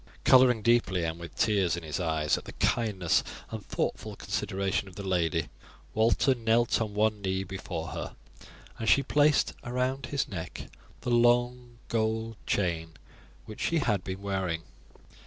Colouring deeply, and with tears in his eyes at the kindness and thoughtful consideration of the lady, Walter knelt on one knee before her, and she placed round his neck the long gold chain which she had been wearing.